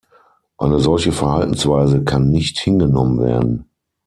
Eine solche Verhaltensweise kann nicht hingenommen werden.